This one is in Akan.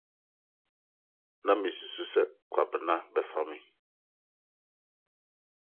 Ná misusuw sɛ Kwabena bɛfa me.